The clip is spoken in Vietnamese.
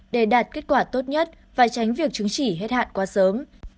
để đạt kết quả tốt nhất và tránh việc chứng chỉ hết hạn quá sớm